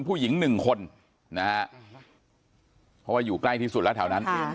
ผู้หญิงหนึ่งคนนะฮะเพราะว่าอยู่ใกล้ที่สุดแล้วแถวนั้น